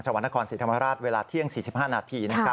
วัดนครศรีธรรมราชเวลาเที่ยง๔๕นาที